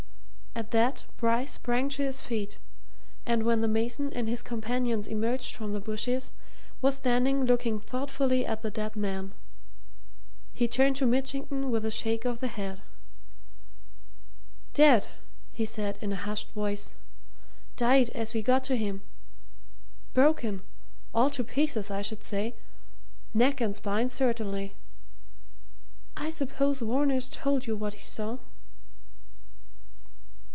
And at that Bryce sprang to his feet, and when the mason and his companions emerged from the bushes was standing looking thoughtfully at the dead man. He turned to Mitchington with a shake of the head. "Dead!" he said in a hushed voice. "Died as we got to him. Broken all to pieces, I should say neck and spine certainly. I suppose Varner's told you what he saw."